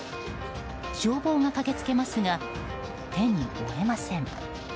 消防が駆けつけますが手に負えません。